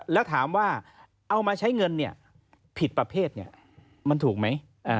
แล้วถามว่าเอามาใช้เงินผิดประเภทมันถูกไหม